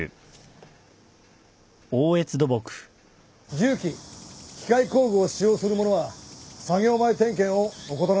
重機機械工具を使用する者は作業前点検を怠らないこと。